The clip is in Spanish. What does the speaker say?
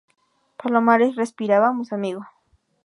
palomares, respira. vamos, amigo.